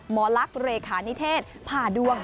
หมอลักษณ์เลขานิเทศผ่าดวง